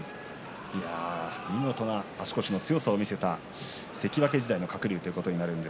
見事な足腰の強さを見せた関脇時代の鶴竜でした。